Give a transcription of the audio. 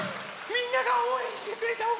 みんながおうえんしてくれたおかげです。